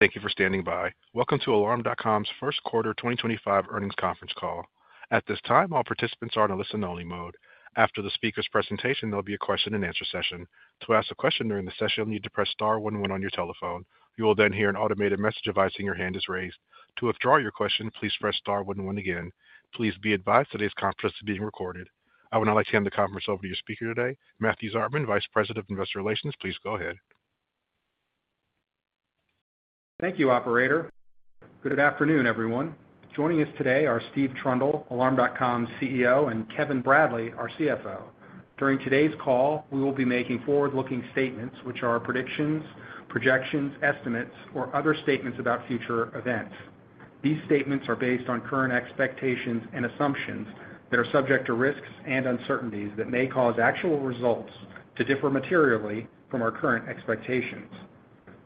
Thank you for standing by. Welcome to Alarm.com's first quarter 2025 earnings conference call. At this time, all participants are in a listen-only mode. After the speaker's presentation, there'll be a question-and-answer session. To ask a question during the session, you'll need to press star 11 on your telephone. You will then hear an automated message advising your hand is raised. To withdraw your question, please press star one one again. Please be advised today's conference is being recorded. I would now like to hand the conference over to your speaker today, Matthew Zartman, Vice President of Investor Relations. Please go ahead. Thank you, Operator. Good afternoon, everyone. Joining us today are Steve Trundle, Alarm.com's CEO, and Kevin Bradley, our CFO. During today's call, we will be making forward-looking statements, which are predictions, projections, estimates, or other statements about future events. These statements are based on current expectations and assumptions that are subject to risks and uncertainties that may cause actual results to differ materially from our current expectations.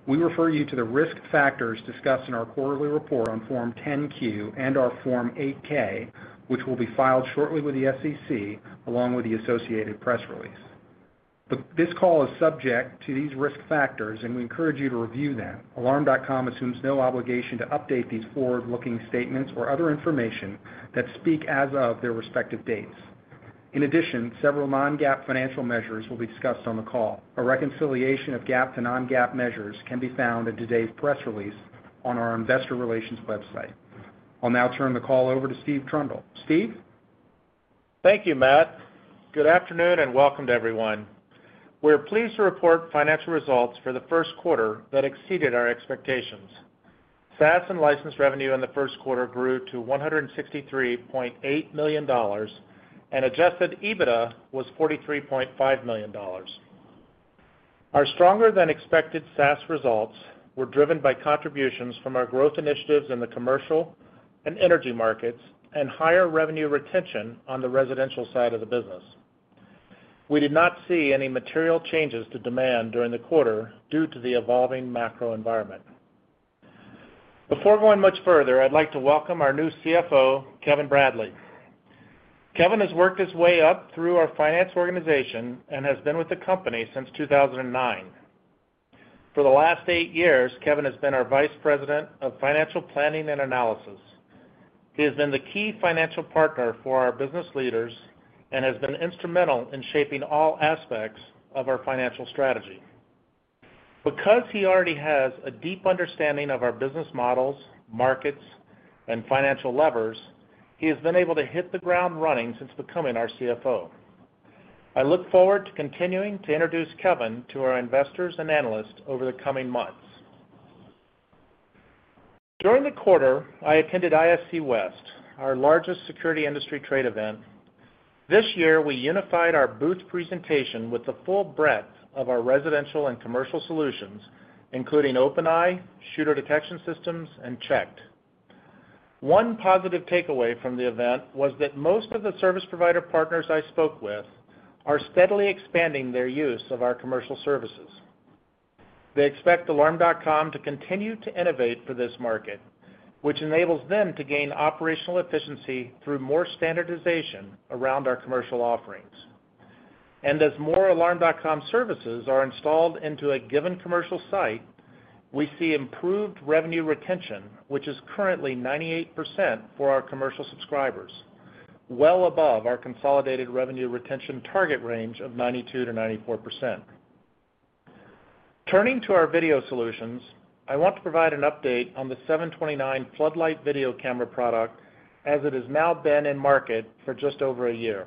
We refer you to the risk factors discussed in our quarterly report on Form 10-Q and our Form 8-K, which will be filed shortly with the SEC, along with the associated press release. This call is subject to these risk factors, and we encourage you to review them. Alarm.com assumes no obligation to update these forward-looking statements or other information that speak as of their respective dates. In addition, several non-GAAP financial measures will be discussed on the call. A reconciliation of GAAP to non-GAAP measures can be found in today's press release on our Investor Relations website. I'll now turn the call over to Steve Trundle. Steve? Thank you, Matt. Good afternoon and welcome to everyone. We're pleased to report financial results for the first quarter that exceeded our expectations. SaaS and license revenue in the first quarter grew to $163.8 million and adjusted EBITDA was $43.5 million. Our stronger-than-expected SaaS results were driven by contributions from our growth initiatives in the commercial and energy markets and higher revenue retention on the residential side of the business. We did not see any material changes to demand during the quarter due to the evolving macro environment. Before going much further, I'd like to welcome our new CFO, Kevin Bradley. Kevin has worked his way up through our finance organization and has been with the company since 2009. For the last eight years, Kevin has been our Vice President of Financial Planning and Analysis. He has been the key financial partner for our business leaders and has been instrumental in shaping all aspects of our financial strategy. Because he already has a deep understanding of our business models, markets, and financial levers, he has been able to hit the ground running since becoming our CFO. I look forward to continuing to introduce Kevin to our investors and analysts over the coming months. During the quarter, I attended ISC West, our largest security industry trade event. This year, we unified our booth presentation with the full breadth of our residential and commercial solutions, including OpenEye, Shooter Detection Systems, and CHeKT. One positive takeaway from the event was that most of the service provider partners I spoke with are steadily expanding their use of our commercial services. They expect Alarm.com to continue to innovate for this market, which enables them to gain operational efficiency through more standardization around our commercial offerings. As more Alarm.com services are installed into a given commercial site, we see improved revenue retention, which is currently 98% for our commercial subscribers, well above our consolidated revenue retention target range of 92%-94%. Turning to our video solutions, I want to provide an update on the 729 Floodlight video camera product, as it has now been in market for just over a year.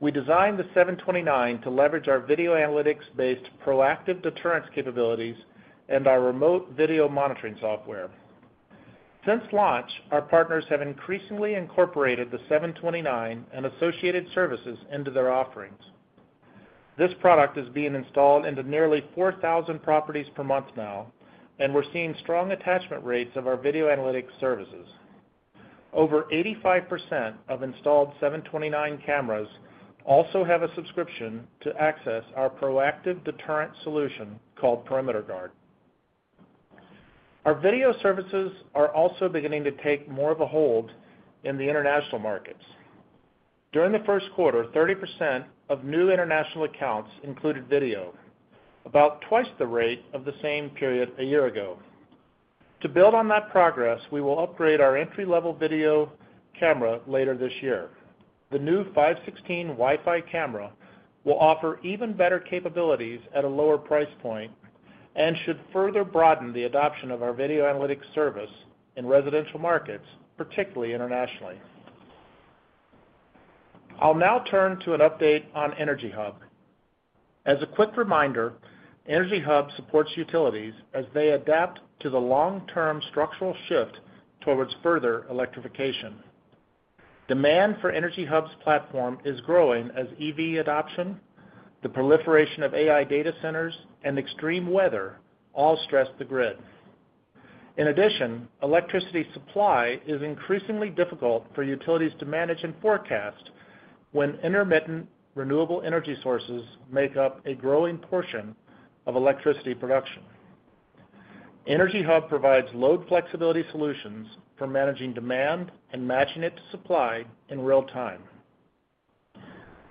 We designed the 729 to leverage our video analytics-based proactive deterrence capabilities and our remote video monitoring software. Since launch, our partners have increasingly incorporated the 729 and associated services into their offerings. This product is being installed into nearly 4,000 properties per month now, and we're seeing strong attachment rates of our video analytics services. Over 85% of installed 729 cameras also have a subscription to access our proactive deterrent solution called Perimeter Guard. Our video services are also beginning to take more of a hold in the international markets. During the first quarter, 30% of new international accounts included video, about twice the rate of the same period a year ago. To build on that progress, we will upgrade our entry-level video camera later this year. The new 516 Wi-Fi camera will offer even better capabilities at a lower price point and should further broaden the adoption of our video analytics service in residential markets, particularly internationally. I'll now turn to an update on EnergyHub. As a quick reminder, EnergyHub supports utilities as they adapt to the long-term structural shift towards further electrification. Demand for EnergyHub's platform is growing as EV adoption, the proliferation of AI data centers, and extreme weather all stress the grid. In addition, electricity supply is increasingly difficult for utilities to manage and forecast when intermittent renewable energy sources make up a growing portion of electricity production. EnergyHub provides load flexibility solutions for managing demand and matching it to supply in real time.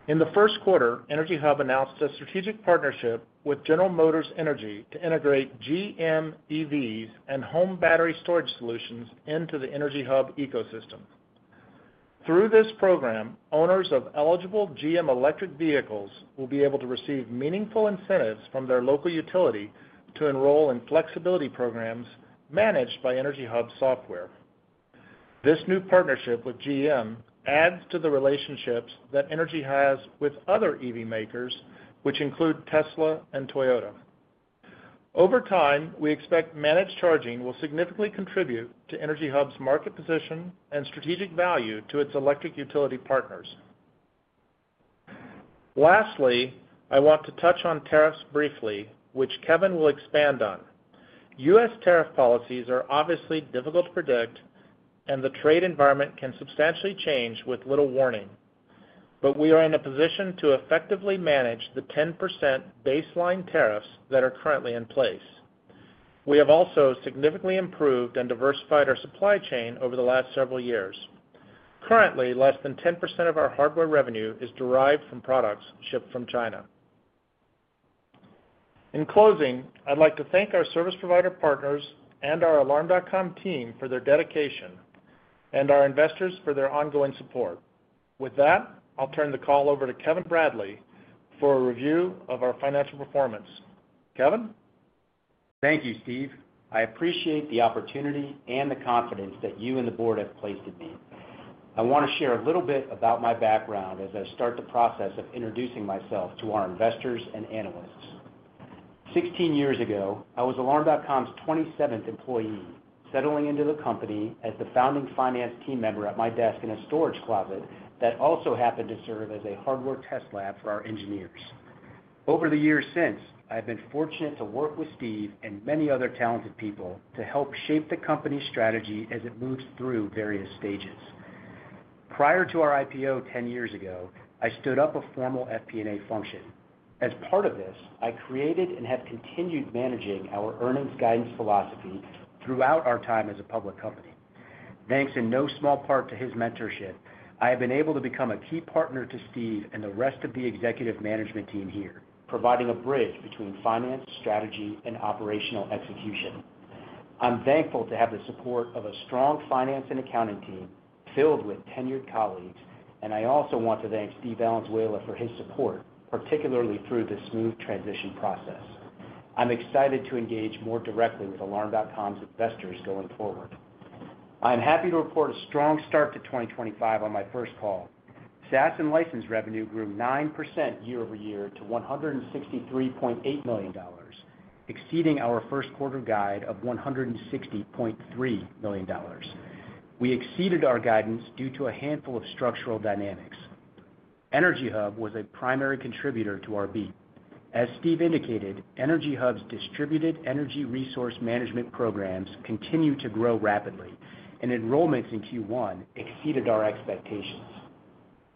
In the first quarter, EnergyHub announced a strategic partnership with General Motors Energy to integrate GM EVs and home battery storage solutions into the EnergyHub ecosystem. Through this program, owners of eligible GM electric vehicles will be able to receive meaningful incentives from their local utility to enroll in flexibility programs managed by EnergyHub software. This new partnership with GM adds to the relationships that EnergyHub has with other EV makers, which include Tesla and Toyota. Over time, we expect managed charging will significantly contribute to EnergyHub's market position and strategic value to its electric utility partners. Lastly, I want to touch on tariffs briefly, which Kevin will expand on. U.S. tariff policies are obviously difficult to predict, and the trade environment can substantially change with little warning. We are in a position to effectively manage the 10% baseline tariffs that are currently in place. We have also significantly improved and diversified our supply chain over the last several years. Currently, less than 10% of our hardware revenue is derived from products shipped from China. In closing, I'd like to thank our service provider partners and our Alarm.com team for their dedication and our investors for their ongoing support. With that, I'll turn the call over to Kevin Bradley for a review of our financial performance. Kevin? Thank you, Steve. I appreciate the opportunity and the confidence that you and the board have placed in me. I want to share a little bit about my background as I start the process of introducing myself to our investors and analysts. 16 years ago, I was Alarm.com's 27th employee, settling into the company as the founding finance team member at my desk in a storage closet that also happened to serve as a hardware test lab for our engineers. Over the years since, I have been fortunate to work with Steve and many other talented people to help shape the company's strategy as it moves through various stages. Prior to our IPO 10 years ago, I stood up a formal FP&A function. As part of this, I created and have continued managing our earnings guidance philosophy throughout our time as a public company. Thanks in no small part to his mentorship, I have been able to become a key partner to Steve and the rest of the executive management team here, providing a bridge between finance, strategy, and operational execution. I'm thankful to have the support of a strong finance and accounting team filled with tenured colleagues, and I also want to thank Steve Valenzuela for his support, particularly through the smooth transition process. I'm excited to engage more directly with Alarm.com's investors going forward. I'm happy to report a strong start to 2025 on my first call. SaaS and license revenue grew 9% year-over-year to $163.8 million, exceeding our first quarter guide of $160.3 million. We exceeded our guidance due to a handful of structural dynamics. EnergyHub was a primary contributor to our beat. As Steve indicated, EnergyHub's distributed energy resource management programs continue to grow rapidly, and enrollments in Q1 exceeded our expectations.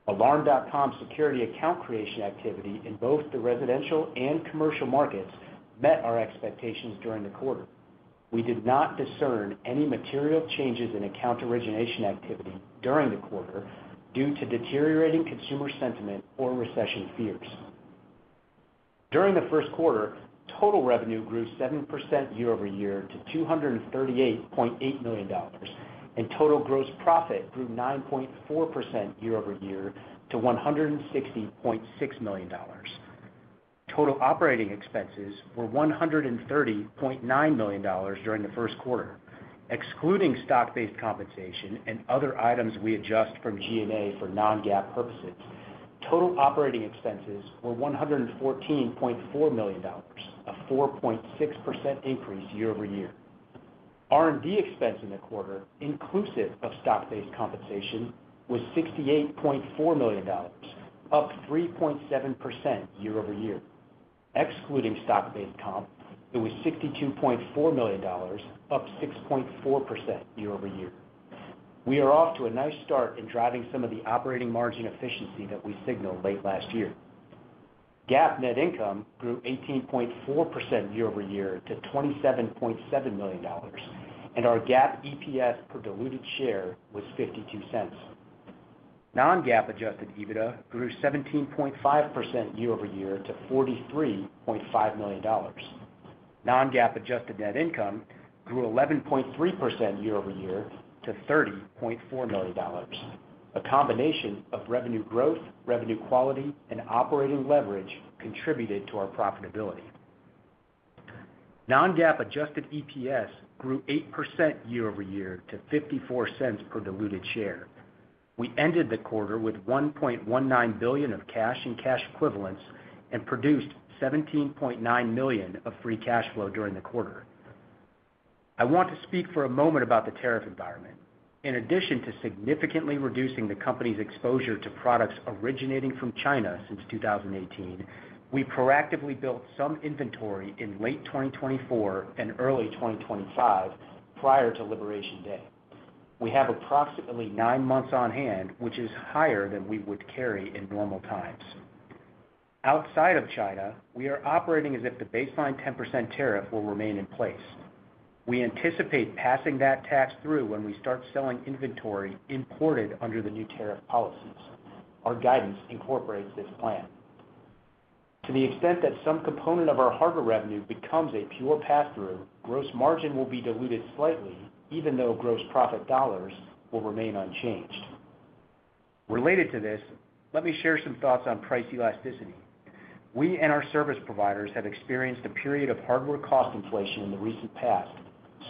Alarm.com's security account creation activity in both the residential and commercial markets met our expectations during the quarter. We did not discern any material changes in account origination activity during the quarter due to deteriorating consumer sentiment or recession fears. During the first quarter, total revenue grew 7% year-over-year to $238.8 million, and total gross profit grew 9.4% year-over-year to $160.6 million. Total operating expenses were $130.9 million during the first quarter. Excluding stock-based compensation and other items we adjust from G&A for non-GAAP purposes, total operating expenses were $114.4 million, a 4.6% increase year-over-year. R&D expense in the quarter, inclusive of stock-based compensation, was $68.4 million, up 3.7% year-over-year. Excluding stock-based comp, it was $62.4 million, up 6.4% year-over-year. We are off to a nice start in driving some of the operating margin efficiency that we signaled late last year. GAAP net income grew 18.4% year-over-year to $27.7 million, and our GAAP EPS per diluted share was $0.52. Non-GAAP adjusted EBITDA grew 17.5% year-over-year to $43.5 million. Non-GAAP adjusted net income grew 11.3% year-over-year to $30.4 million. A combination of revenue growth, revenue quality, and operating leverage contributed to our profitability. Non-GAAP adjusted EPS grew 8% year-over-year to $0.54 per diluted share. We ended the quarter with $1.19 billion of cash and cash equivalents and produced $17.9 million of free cash flow during the quarter. I want to speak for a moment about the tariff environment. In addition to significantly reducing the company's exposure to products originating from China since 2018, we proactively built some inventory in late 2024 and early 2025 prior to Liberation Day. We have approximately nine months on hand, which is higher than we would carry in normal times. Outside of China, we are operating as if the baseline 10% tariff will remain in place. We anticipate passing that tax through when we start selling inventory imported under the new tariff policies. Our guidance incorporates this plan. To the extent that some component of our hardware revenue becomes a pure pass-through, gross margin will be diluted slightly, even though gross profit dollars will remain unchanged. Related to this, let me share some thoughts on price elasticity. We and our service providers have experienced a period of hardware cost inflation in the recent past,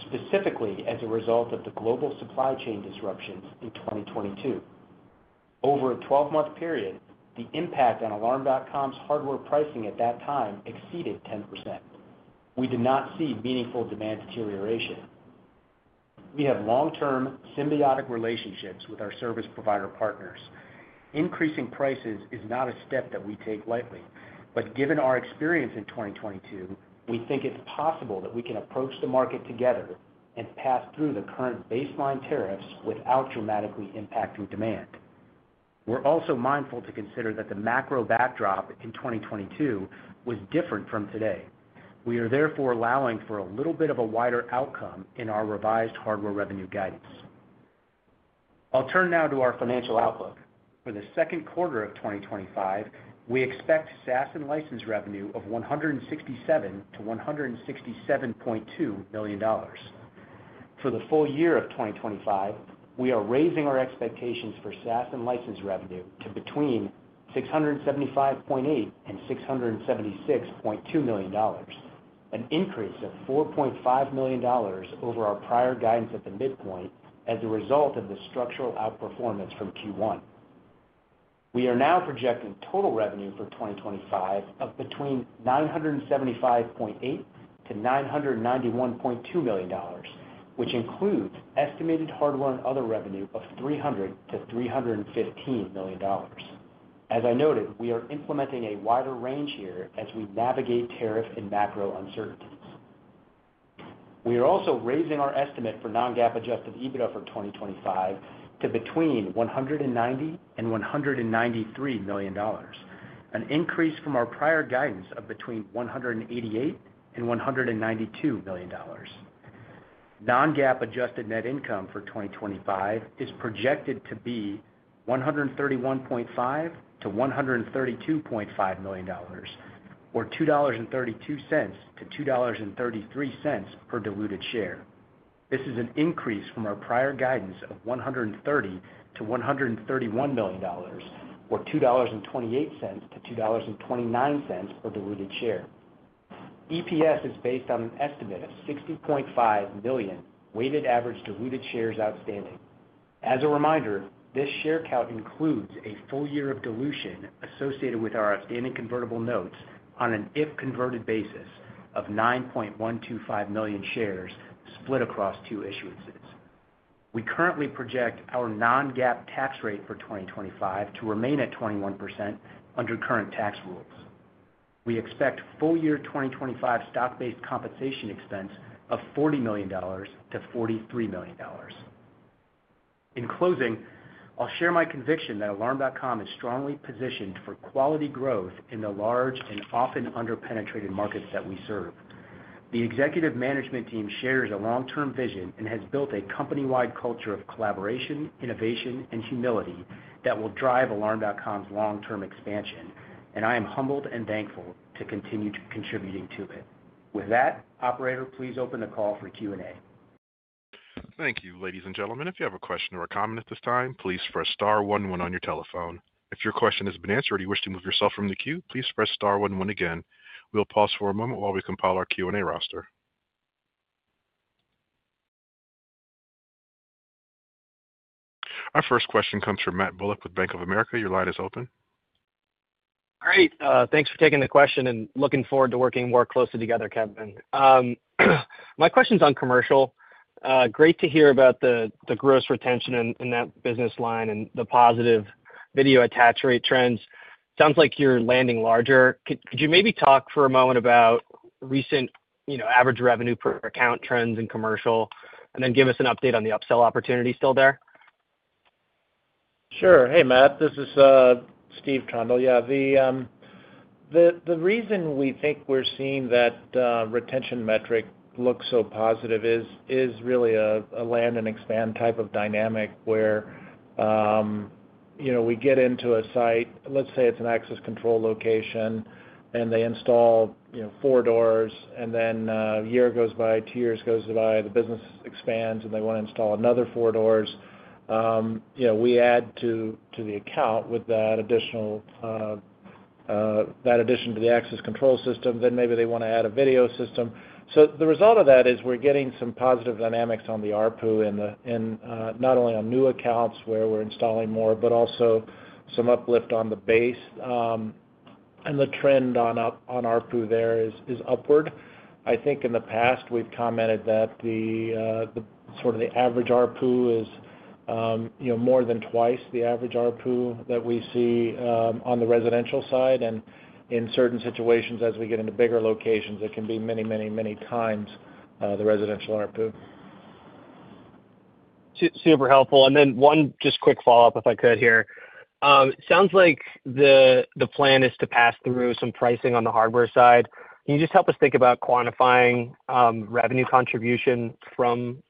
specifically as a result of the global supply chain disruptions in 2022. Over a 12-month period, the impact on Alarm.com's hardware pricing at that time exceeded 10%. We did not see meaningful demand deterioration. We have long-term symbiotic relationships with our service provider partners. Increasing prices is not a step that we take lightly, but given our experience in 2022, we think it's possible that we can approach the market together and pass through the current baseline tariffs without dramatically impacting demand. We are also mindful to consider that the macro backdrop in 2022 was different from today. We are therefore allowing for a little bit of a wider outcome in our revised hardware revenue guidance. I'll turn now to our financial outlook. For the second quarter of 2025, we expect SaaS and license revenue of $167.2 million. For the full year of 2025, we are raising our expectations for SaaS and license revenue to between $675.8 million and $676.2 million, an increase of $4.5 million over our prior guidance at the midpoint as a result of the structural outperformance from Q1. We are now projecting total revenue for 2025 of between $975.8 million-$991.2 million, which includes estimated hardware and other revenue of $300 million-$315 million. As I noted, we are implementing a wider range here as we navigate tariff and macro uncertainties. We are also raising our estimate for non-GAAP adjusted EBITDA for 2025 to between $190 million-$193 million, an increase from our prior guidance of between $188 million-$192 million. Non-GAAP adjusted net income for 2025 is projected to be $131.5 million-$132.5 million, or $2.32-$2.33 per diluted share. This is an increase from our prior guidance of $130 million-$131 million, or $2.28-$2.29 per diluted share. EPS is based on an estimate of 60.5 million weighted average diluted shares outstanding. As a reminder, this share count includes a full year of dilution associated with our outstanding convertible notes on an if converted basis of 9.125 million shares split across two issuances. We currently project our non-GAAP tax rate for 2025 to remain at 21% under current tax rules. We expect full year 2025 stock-based compensation expense of $40 million-$43 million. In closing, I'll share my conviction that Alarm.com is strongly positioned for quality growth in the large and often under-penetrated markets that we serve. The executive management team shares a long-term vision and has built a company-wide culture of collaboration, innovation, and humility that will drive Alarm.com's long-term expansion, and I am humbled and thankful to continue contributing to it. With that, operator, please open the call for Q&A. Thank you, ladies and gentlemen. If you have a question or a comment at this time, please press star one one when on your telephone. If your question has been answered or you wish to move yourself from the queue, please press star one one again. We'll pause for a moment while we compile our Q&A roster. Our first question comes from Matt Bullock with Bank of America. Your line is open. Great. Thanks for taking the question and looking forward to working more closely together, Kevin. My question's on commercial. Great to hear about the gross retention in that business line and the positive video attach rate trends. Sounds like you're landing larger. Could you maybe talk for a moment about recent average revenue per account trends in commercial and then give us an update on the upsell opportunity still there? Sure. Hey, Matt. This is Steve Trundle. Yeah, the reason we think we're seeing that retention metric look so positive is really a land and expand type of dynamic where we get into a site, let's say it's an access control location, and they install four doors, and then a year goes by, two years goes by, the business expands, and they want to install another four doors. We add to the account with that addition to the access control system. Maybe they want to add a video system. The result of that is we're getting some positive dynamics on the ARPU and not only on new accounts where we're installing more, but also some uplift on the base. The trend on ARPU there is upward. I think in the past we've commented that sort of the average ARPU is more than twice the average ARPU that we see on the residential side. In certain situations, as we get into bigger locations, it can be many, many, many times the residential ARPU. Super helpful. One just quick follow-up if I could here. Sounds like the plan is to pass through some pricing on the hardware side. Can you just help us think about quantifying revenue contribution from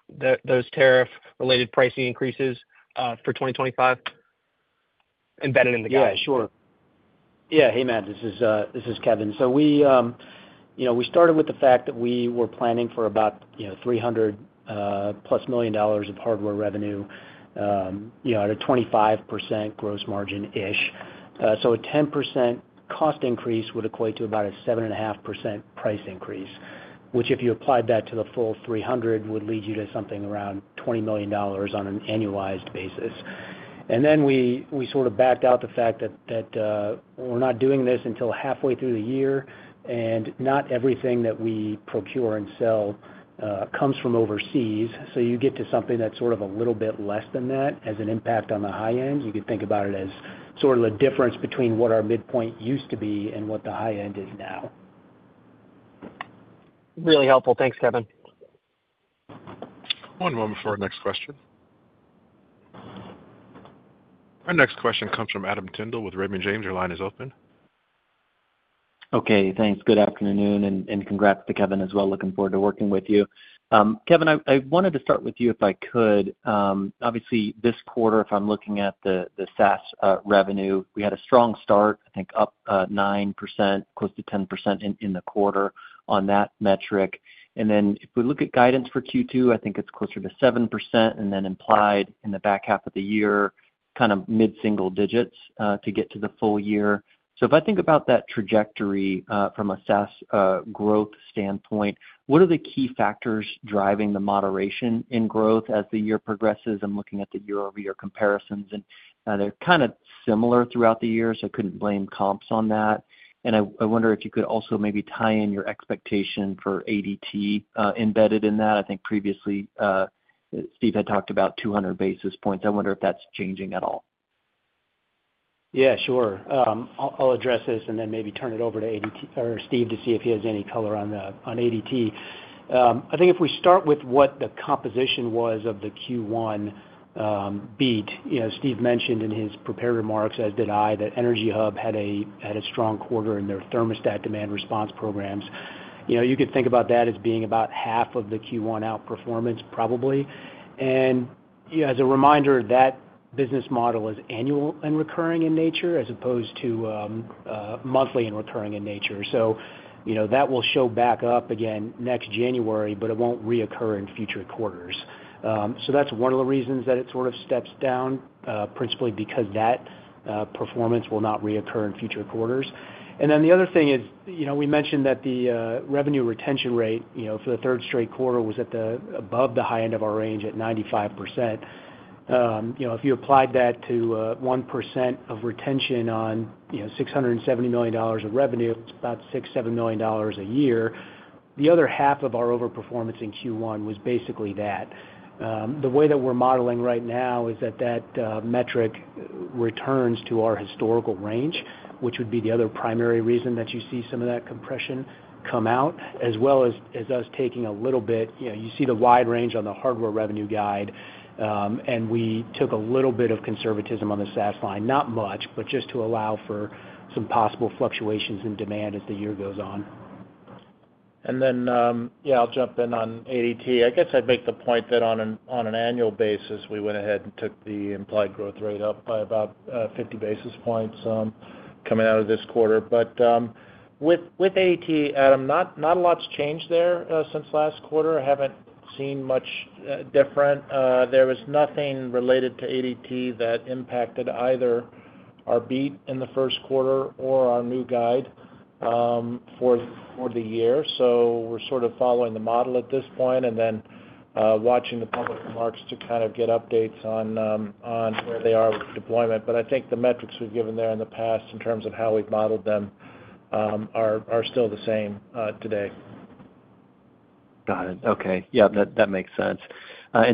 those tariff-related pricing increases for 2025 embedded in the guidance? Yeah, sure. Yeah. Hey, Matt. This is Kevin. We started with the fact that we were planning for about $300 million+ of hardware revenue at a 25% gross margin-ish. A 10% cost increase would equate to about a 7.5% price increase, which if you applied that to the full 300 would lead you to something around $20 million on an annualized basis. We sort of backed out the fact that we're not doing this until halfway through the year, and not everything that we procure and sell comes from overseas. You get to something that's sort of a little bit less than that as an impact on the high end. You could think about it as sort of a difference between what our midpoint used to be and what the high end is now. Really helpful. Thanks, Kevin. One moment for our next question. Our next question comes from Adam Tindle with Raymond James. Your line is open. Okay. Thanks. Good afternoon and congrats to Kevin as well. Looking forward to working with you. Kevin, I wanted to start with you if I could. Obviously, this quarter, if I'm looking at the SaaS revenue, we had a strong start, I think up 9%, close to 10% in the quarter on that metric. If we look at guidance for Q2, I think it's closer to 7% and then implied in the back half of the year, kind of mid-single digits to get to the full year. If I think about that trajectory from a SaaS growth standpoint, what are the key factors driving the moderation in growth as the year progresses? I'm looking at the year-over-year comparisons, and they're kind of similar throughout the year, so I couldn't blame comps on that. I wonder if you could also maybe tie in your expectation for ADT embedded in that. I think previously Steve had talked about 200 basis points. I wonder if that's changing at all. Yeah, sure. I'll address this and then maybe turn it over to Steve to see if he has any color on ADT. I think if we start with what the composition was of the Q1 beat, Steve mentioned in his prepared remarks, as did I, that EnergyHub had a strong quarter in their thermostat demand response programs. You could think about that as being about half of the Q1 outperformance, probably. And as a reminder, that business model is annual and recurring in nature as opposed to monthly and recurring in nature. That will show back up again next January, but it won't reoccur in future quarters. That's one of the reasons that it sort of steps down, principally because that performance will not reoccur in future quarters. We mentioned that the revenue retention rate for the third straight quarter was above the high end of our range at 95%. If you applied that to 1% of retention on $670 million of revenue, it is about $6 million-$7 million a year. The other half of our overperformance in Q1 was basically that. The way that we are modeling right now is that that metric returns to our historical range, which would be the other primary reason that you see some of that compression come out, as well as us taking a little bit. You see the wide range on the hardware revenue guide, and we took a little bit of conservatism on the SaaS line, not much, but just to allow for some possible fluctuations in demand as the year goes on. I will jump in on ADT. I guess I'd make the point that on an annual basis, we went ahead and took the implied growth rate up by about 50 basis points coming out of this quarter. But with ADT, Adam, not a lot's changed there since last quarter. I haven't seen much different. There was nothing related to ADT that impacted either our beat in the first quarter or our new guide for the year. So we're sort of following the model at this point and then watching the public remarks to kind of get updates on where they are with deployment. But I think the metrics we've given there in the past in terms of how we've modeled them are still the same today. Got it. Okay. Yeah, that makes sense.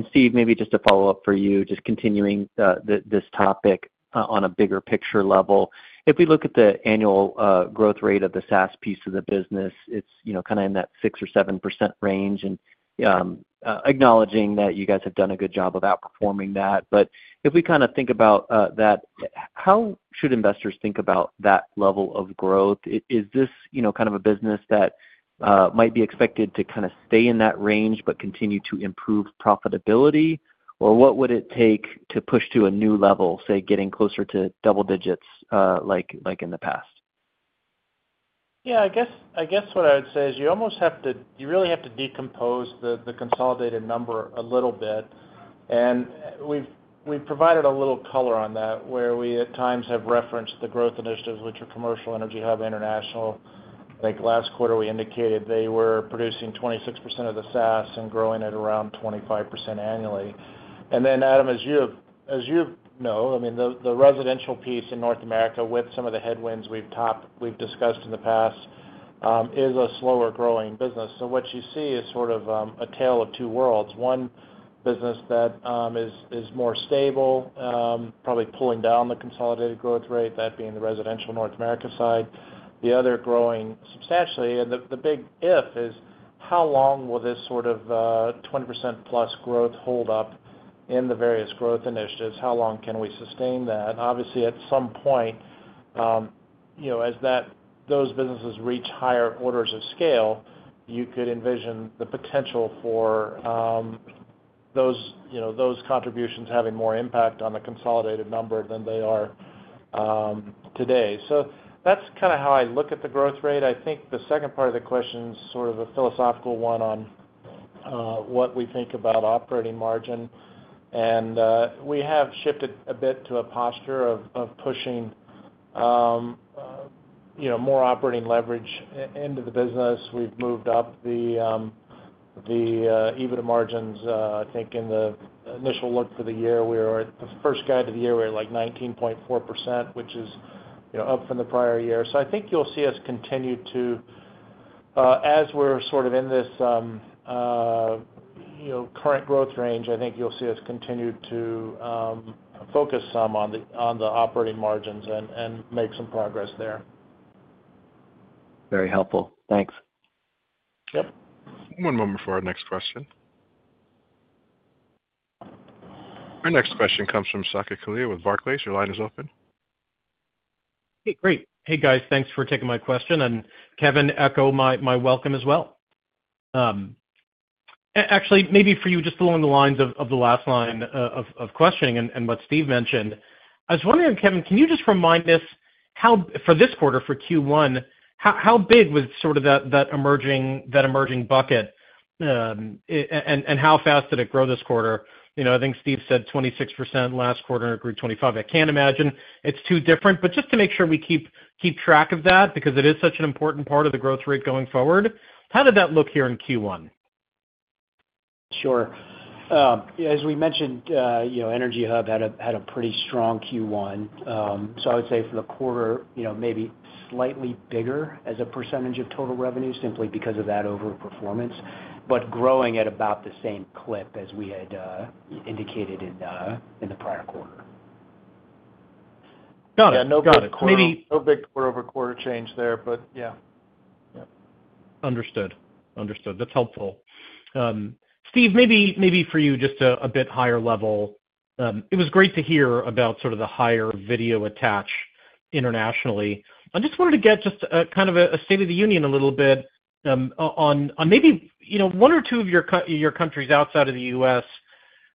Steve, maybe just to follow up for you, just continuing this topic on a bigger picture level, if we look at the annual growth rate of the SaaS piece of the business, it's kind of in that 6% or 7% range. Acknowledging that you guys have done a good job of outperforming that. If we kind of think about that, how should investors think about that level of growth? Is this kind of a business that might be expected to kind of stay in that range but continue to improve profitability, or what would it take to push to a new level, say, getting closer to double digits like in the past? Yeah, I guess what I would say is you almost have to, you really have to decompose the consolidated number a little bit. And we've provided a little color on that where we at times have referenced the growth initiatives, which are Commercial, EnergyHub, International. I think last quarter we indicated they were producing 26% of the SaaS and growing at around 25% annually. And then, Adam, as you know, I mean, the residential piece in North America with some of the headwinds we've discussed in the past is a slower-growing business. What you see is sort of a tale of two worlds. One business that is more stable, probably pulling down the consolidated growth rate, that being the residential North America side. The other growing substantially. The big if is how long will this sort of 20%+ growth hold up in the various growth initiatives? How long can we sustain that? Obviously, at some point, as those businesses reach higher orders of scale, you could envision the potential for those contributions having more impact on the consolidated number than they are today. That is kind of how I look at the growth rate. I think the second part of the question is sort of a philosophical one on what we think about operating margin. We have shifted a bit to a posture of pushing more operating leverage into the business. We have moved up the EBITDA margins. I think in the initial look for the year, the first guide of the year, we were like 19.4%, which is up from the prior year. I think you'll see us continue to, as we're sort of in this current growth range, I think you'll see us continue to focus some on the operating margins and make some progress there. Very helpful. Thanks. Yep. One moment for our next question. Our next question comes from Saket Kalia with Barclays. Your line is open. Hey, great. Hey, guys. Thanks for taking my question. Kevin, echo my welcome as well. Actually, maybe for you, just along the lines of the last line of questioning and what Steve mentioned, I was wondering, Kevin, can you just remind us for this quarter, for Q1, how big was sort of that emerging bucket and how fast did it grow this quarter? I think Steve said 26% last quarter and grew 25%. I can't imagine it's too different, but just to make sure we keep track of that because it is such an important part of the growth rate going forward. How did that look here in Q1? Sure. As we mentioned, EnergyHub had a pretty strong Q1. I would say for the quarter, maybe slightly bigger as a percentage of total revenue simply because of that overperformance, but growing at about the same clip as we had indicated in the prior quarter. Got it. Yeah, no big quarter-over-quarter change there, but yeah. Understood. Understood. That's helpful. Steve, maybe for you, just a bit higher level. It was great to hear about sort of the higher video attach internationally. I just wanted to get just kind of a state of the union a little bit on maybe one or two of your countries outside of the U.S.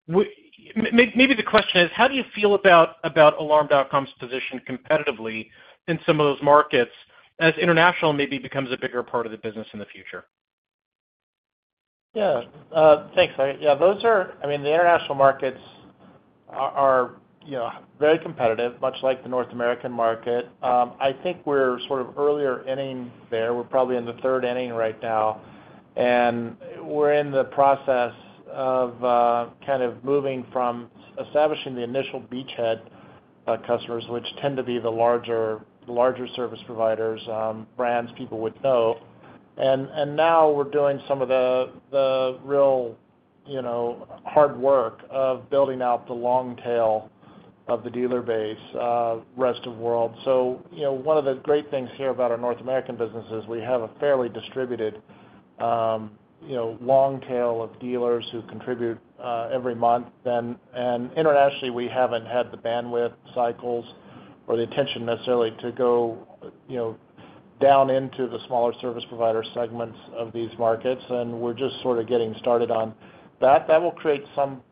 Maybe the question is, how do you feel about Alarm.com's position competitively in some of those markets as international maybe becomes a bigger part of the business in the future? Yeah. Thanks, Saket. Yeah, those are, I mean, the international markets are very competitive, much like the North American market. I think we're sort of earlier inning there. We're probably in the third inning right now. We're in the process of kind of moving from establishing the initial beachhead customers, which tend to be the larger service providers, brands people would know. Now we're doing some of the real hard work of building out the long tail of the dealer base rest of world. One of the great things here about our North American business is we have a fairly distributed long tail of dealers who contribute every month. Internationally, we haven't had the bandwidth cycles or the attention necessarily to go down into the smaller service provider segments of these markets. We're just sort of getting started on that. That will create some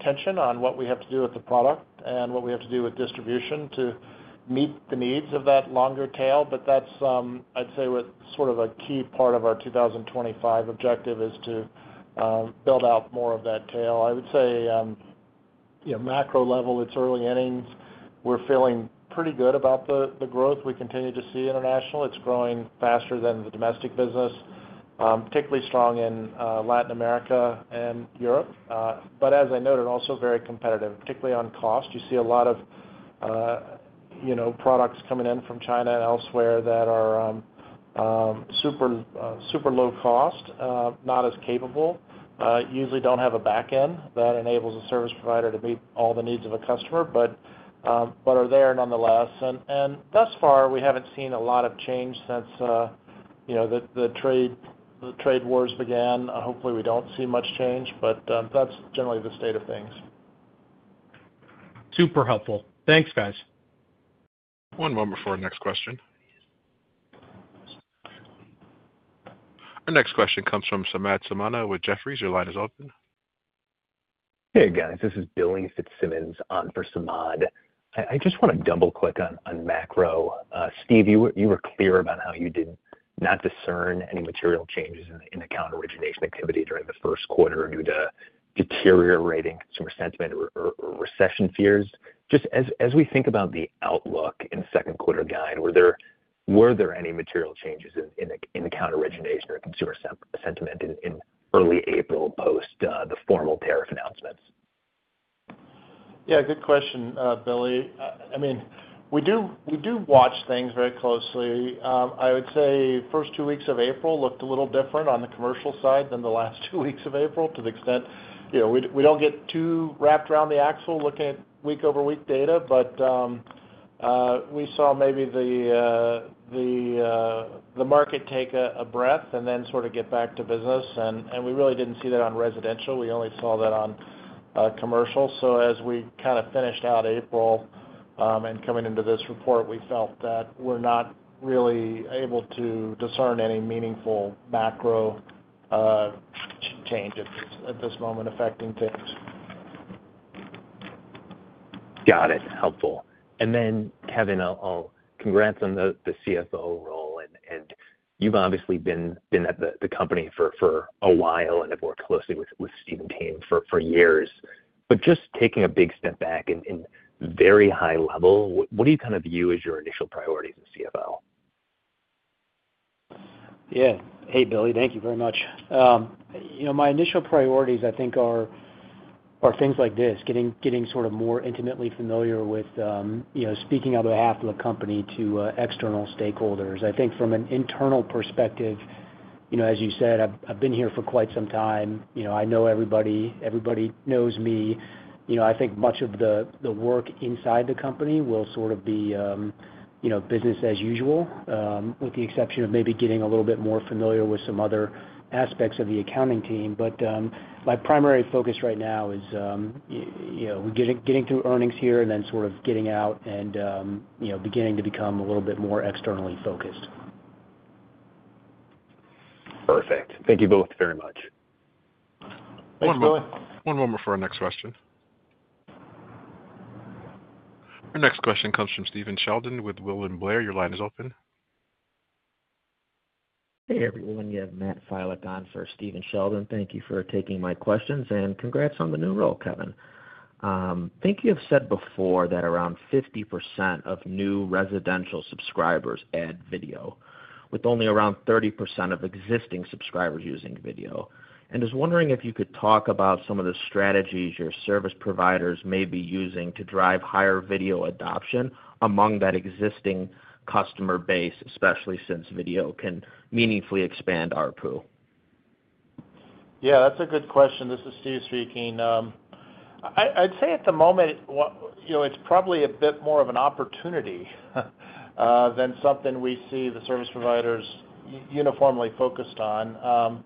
tension on what we have to do with the product and what we have to do with distribution to meet the needs of that longer tail. That's, I'd say, sort of a key part of our 2025 objective is to build out more of that tail. I would say macro level, it's early innings. We're feeling pretty good about the growth we continue to see internationally. It's growing faster than the domestic business, particularly strong in Latin America and Europe. As I noted, also very competitive, particularly on cost. You see a lot of products coming in from China and elsewhere that are super low cost, not as capable, usually don't have a back end that enables a service provider to meet all the needs of a customer, but are there nonetheless. Thus far, we haven't seen a lot of change since the trade wars began. Hopefully, we don't see much change, but that's generally the state of things. Super helpful. Thanks, guys. One moment for our next question. Our next question comes from Samad Samana with Jefferies. Your line is open. Hey, guys. This is Billy Fitzsimmons, on for Samad. I just want to double-click on macro. Steve, you were clear about how you did not discern any material changes in account origination activity during the first quarter due to deteriorating consumer sentiment or recession fears. Just as we think about the outlook in the second quarter guide, were there any material changes in account origination or consumer sentiment in early April post the formal tariff announcements? Yeah, good question, Billy. I mean, we do watch things very closely. I would say first two weeks of April looked a little different on the commercial side than the last two weeks of April. To the extent we do not get too wrapped around the axle looking at week-over-week data, but we saw maybe the market take a breath and then sort of get back to business. We really did not see that on residential. We only saw that on commercial. As we kind of finished out April and coming into this report, we felt that we are not really able to discern any meaningful macro change at this moment affecting things. Got it. Helpful. Kevin, I'll congrats on the CFO role. You've obviously been at the company for a while and have worked closely with Steve and team for years. Just taking a big step back in very high level, what do you kind of view as your initial priorities as CFO? Yeah. Hey, Billy. Thank you very much. My initial priorities, I think, are things like this, getting sort of more intimately familiar with speaking on behalf of the company to external stakeholders. I think from an internal perspective, as you said, I've been here for quite some time. I know everybody. Everybody knows me. I think much of the work inside the company will sort of be business as usual, with the exception of maybe getting a little bit more familiar with some other aspects of the accounting team. My primary focus right now is getting through earnings here and then sort of getting out and beginning to become a little bit more externally focused. Perfect. Thank you both very much. Thanks, Billy. One moment for our next question. Our next question comes from Stephen Sheldon with William Blair. Your line is open. Hey, everyone. You have Matt Filek on for Stephen Sheldon. Thank you for taking my questions and congrats on the new role, Kevin. I think you have said before that around 50% of new residential subscribers add video, with only around 30% of existing subscribers using video. I was wondering if you could talk about some of the strategies your service providers may be using to drive higher video adoption among that existing customer base, especially since video can meaningfully expand our pool. Yeah, that's a good question. This is Steve speaking. I'd say at the moment, it's probably a bit more of an opportunity than something we see the service providers uniformly focused on.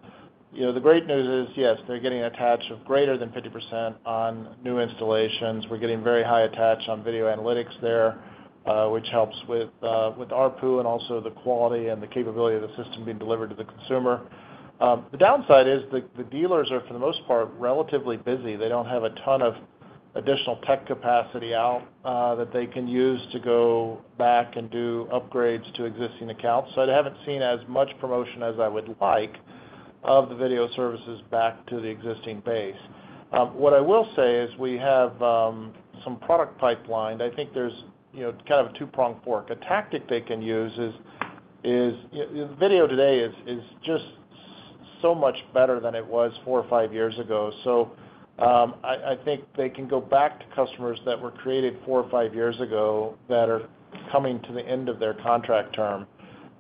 The great news is, yes, they're getting attached of greater than 50% on new installations. We're getting very high attached on video analytics there, which helps with ARPU and also the quality and the capability of the system being delivered to the consumer. The downside is the dealers are, for the most part, relatively busy. They don't have a ton of additional tech capacity out that they can use to go back and do upgrades to existing accounts. I haven't seen as much promotion as I would like of the video services back to the existing base. What I will say is we have some product pipeline. I think there's kind of a two-pronged fork. A tactic they can use is video today is just so much better than it was four or five years ago. I think they can go back to customers that were created four or five years ago that are coming to the end of their contract term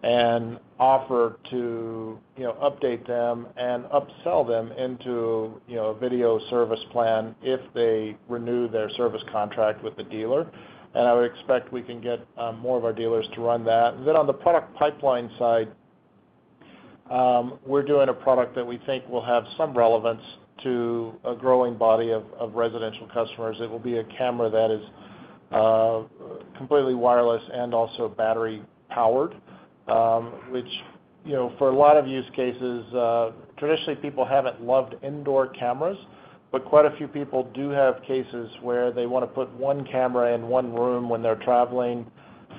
and offer to update them and upsell them into a video service plan if they renew their service contract with the dealer. I would expect we can get more of our dealers to run that. On the product pipeline side, we're doing a product that we think will have some relevance to a growing body of residential customers. It will be a camera that is completely wireless and also battery powered, which for a lot of use cases, traditionally, people have not loved indoor cameras, but quite a few people do have cases where they want to put one camera in one room when they are traveling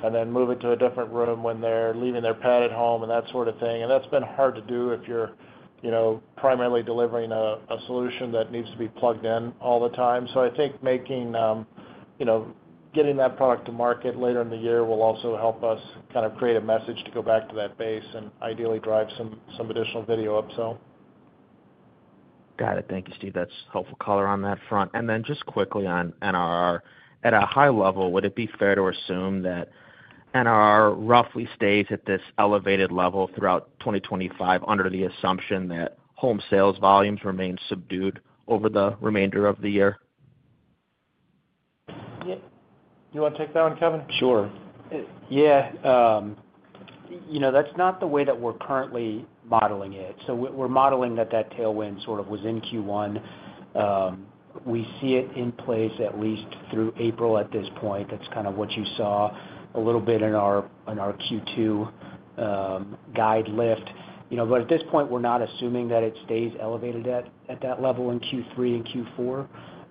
and then move it to a different room when they are leaving their pet at home and that sort of thing. That has been hard to do if you are primarily delivering a solution that needs to be plugged in all the time. I think getting that product to market later in the year will also help us kind of create a message to go back to that base and ideally drive some additional video upsell. Got it. Thank you, Steve. That is helpful color on that front. And then just quickly on NRR. At a high level, would it be fair to assume that NRR roughly stays at this elevated level throughout 2025 under the assumption that home sales volumes remain subdued over the remainder of the year? Do you want to take that one, Kevin? Sure. Yeah. That's not the way that we're currently modeling it. So we're modeling that that tailwind sort of was in Q1. We see it in place at least through April at this point. That's kind of what you saw a little bit in our Q2 guide lift. At this point, we're not assuming that it stays elevated at that level in Q3 and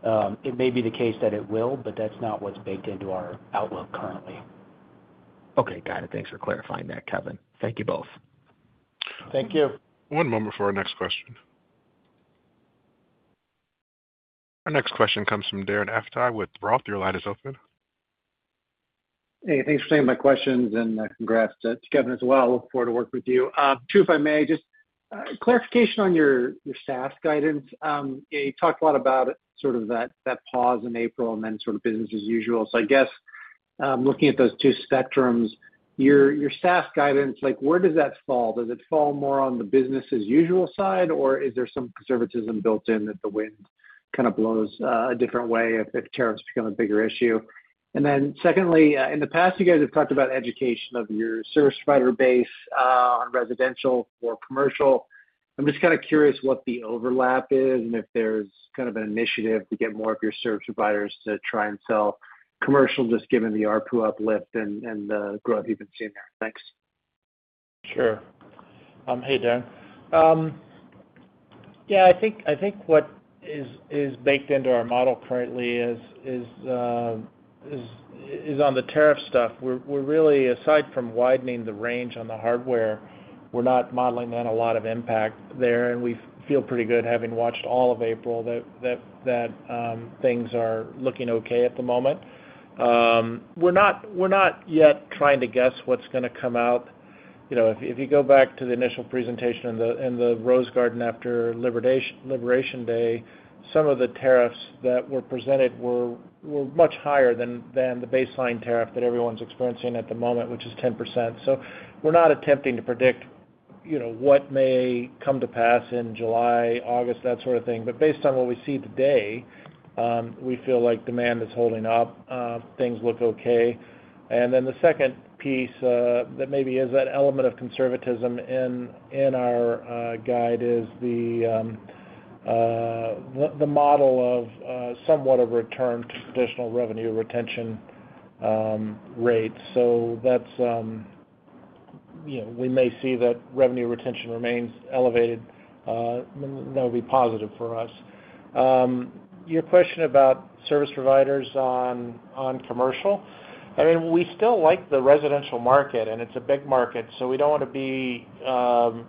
Q4. It may be the case that it will, but that's not what's baked into our outlook currently. Okay. Got it. Thanks for clarifying that, Kevin. Thank you both. Thank you. One moment for our next question. Our next question comes from Darren Aftahi with ROTH. Your line is open. Hey, thanks for taking my questions. And congrats to Kevin as well. I look forward to working with you. True, if I may, just clarification on your SaaS guidance. You talked a lot about sort of that pause in April and then sort of business as usual. I guess looking at those two spectrums, your SaaS guidance, where does that fall? Does it fall more on the business-as-usual side, or is there some conservatism built in that the wind kind of blows a different way if tariffs become a bigger issue? Then secondly, in the past, you guys have talked about education of your service provider base on residential or commercial. I'm just kind of curious what the overlap is and if there's kind of an initiative to get more of your service providers to try and sell commercial just given the ARPU uplift and the growth you've been seeing there. Thanks. Sure. Hey, Darren. Yeah, I think what is baked into our model currently is on the tariff stuff. Aside from widening the range on the hardware, we're not modeling that a lot of impact there. We feel pretty good having watched all of April that things are looking okay at the moment. We're not yet trying to guess what's going to come out. If you go back to the initial presentation in the Rose Garden after Liberation Day, some of the tariffs that were presented were much higher than the baseline tariff that everyone's experiencing at the moment, which is 10%. We're not attempting to predict what may come to pass in July, August, that sort of thing. Based on what we see today, we feel like demand is holding up. Things look okay. The second piece that maybe is that element of conservatism in our guide is the model of somewhat of a return to traditional revenue retention rate. We may see that revenue retention remains elevated. That will be positive for us. Your question about service providers on commercial, I mean, we still like the residential market, and it is a big market. We do not want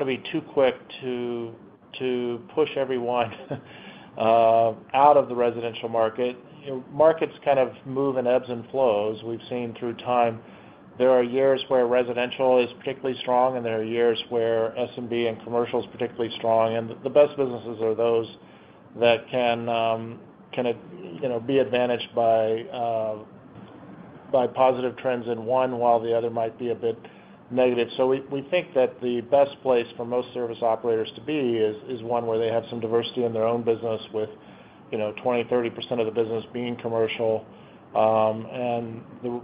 to be too quick to push everyone out of the residential market. Markets kind of move in ebbs and flows. We have seen through time there are years where residential is particularly strong, and there are years where S&B and commercial is particularly strong. The best businesses are those that can be advantaged by positive trends in one while the other might be a bit negative. We think that the best place for most service operators to be is one where they have some diversity in their own business with 20%-30% of the business being commercial and 60%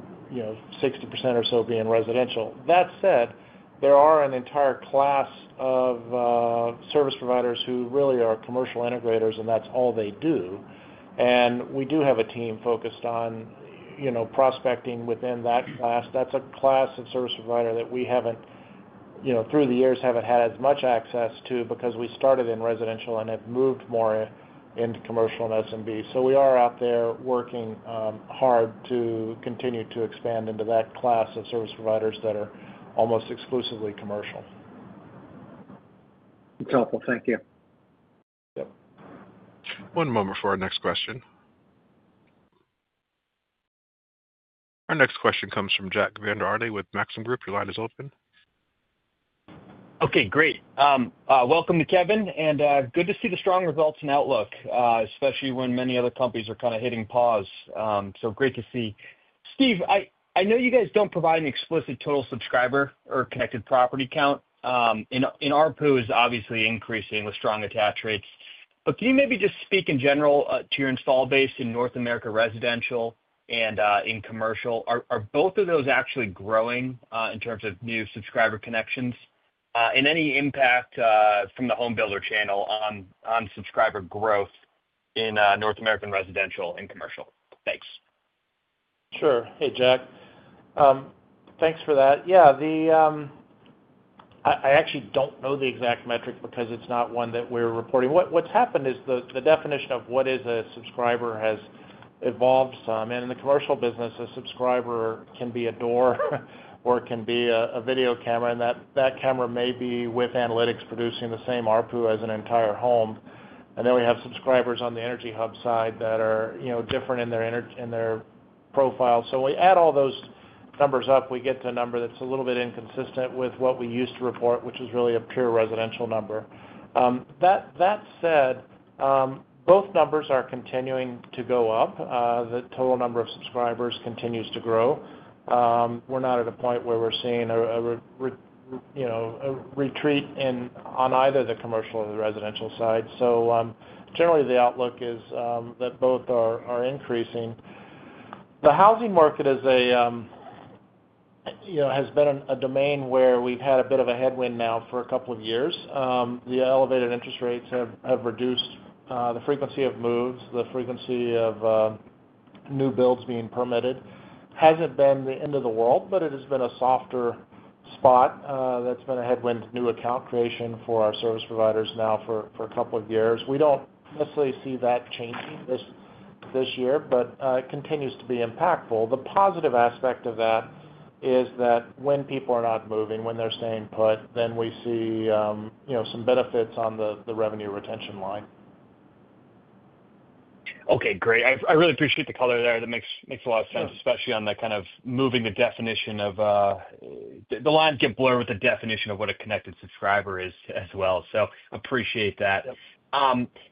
or so being residential. That said, there are an entire class of service providers who really are commercial integrators, and that's all they do. We do have a team focused on prospecting within that class. That's a class of service provider that we haven't, through the years, had as much access to because we started in residential and have moved more into commercial and S&B. We are out there working hard to continue to expand into that class of service providers that are almost exclusively commercial. That's helpful. Thank you. Yep. One moment for our next question. Our next question comes from Jack Vander Aarde with Maxim Group. Your line is open. Okay. Great. Welcome to Kevin. And good to see the strong results and outlook, especially when many other companies are kind of hitting pause. So great to see. Steve, I know you guys don't provide an explicit total subscriber or connected property count. And ARPU is obviously increasing with strong attach rates. But can you maybe just speak in general to your install base in North America residential and in commercial? Are both of those actually growing in terms of new subscriber connections? And any impact from the homebuilder channel on subscriber growth in North American residential and commercial? Thanks. Sure. Hey, Jack. Thanks for that. Yeah. I actually don't know the exact metric because it's not one that we're reporting. What's happened is the definition of what is a subscriber has evolved some. In the commercial business, a subscriber can be a door or it can be a video camera. That camera may be with analytics producing the same ARPU as an entire home. We have subscribers on the EnergyHub side that are different in their profile. When we add all those numbers up, we get to a number that's a little bit inconsistent with what we used to report, which was really a pure residential number. That said, both numbers are continuing to go up. The total number of subscribers continues to grow. We're not at a point where we're seeing a retreat on either the commercial or the residential side. Generally, the outlook is that both are increasing. The housing market has been a domain where we've had a bit of a headwind now for a couple of years. The elevated interest rates have reduced the frequency of moves, the frequency of new builds being permitted. It hasn't been the end of the world, but it has been a softer spot that's been a headwind to new account creation for our service providers now for a couple of years. We don't necessarily see that changing this year, but it continues to be impactful. The positive aspect of that is that when people are not moving, when they're staying put, then we see some benefits on the revenue retention line. Okay. Great. I really appreciate the color there. That makes a lot of sense, especially on the kind of moving the definition of the lines get blurred with the definition of what a connected subscriber is as well. I appreciate that.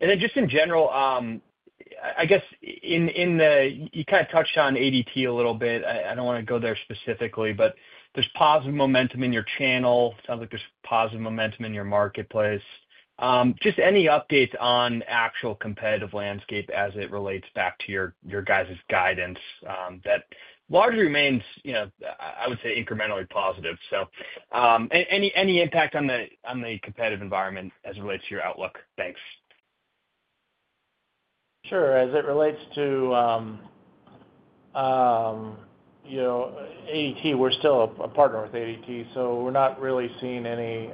In general, I guess you kind of touched on ADT a little bit. I do not want to go there specifically, but there is positive momentum in your channel. It sounds like there is positive momentum in your marketplace. Any updates on actual competitive landscape as it relates back to your guys' guidance that largely remains, I would say, incrementally positive? Any impact on the competitive environment as it relates to your outlook? Thanks. Sure. As it relates to ADT, we're still a partner with ADT. We're not really seeing any,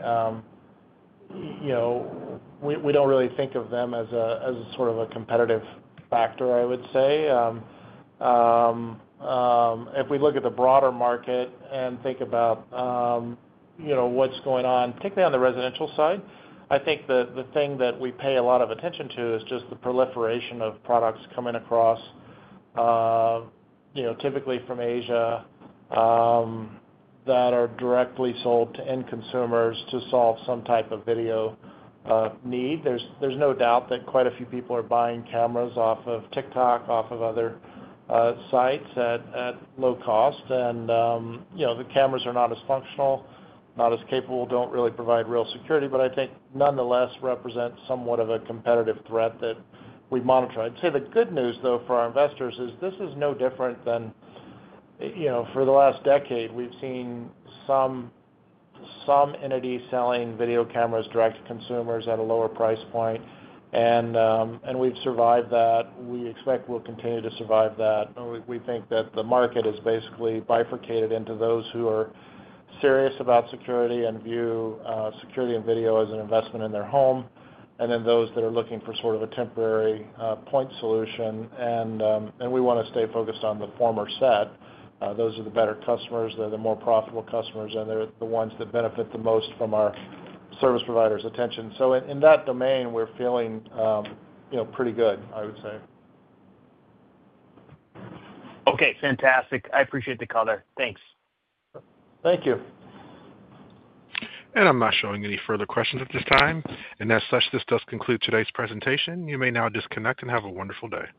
we don't really think of them as a sort of a competitive factor, I would say. If we look at the broader market and think about what's going on, particularly on the residential side, I think the thing that we pay a lot of attention to is just the proliferation of products coming across, typically from Asia, that are directly sold to end consumers to solve some type of video need. There's no doubt that quite a few people are buying cameras off of TikTok, off of other sites at low cost. The cameras are not as functional, not as capable, don't really provide real security, but I think nonetheless represent somewhat of a competitive threat that we monitor. I'd say the good news, though, for our investors is this is no different than for the last decade, we've seen some entity selling video cameras direct to consumers at a lower price point. We've survived that. We expect we'll continue to survive that. We think that the market has basically bifurcated into those who are serious about security and view security and video as an investment in their home, and then those that are looking for sort of a temporary point solution. We want to stay focused on the former set. Those are the better customers. They're the more profitable customers, and they're the ones that benefit the most from our service providers' attention. In that domain, we're feeling pretty good, I would say. Okay. Fantastic. I appreciate the color. Thanks. Thank you. I'm not showing any further questions at this time. As such, this does conclude today's presentation. You may now disconnect and have a wonderful day.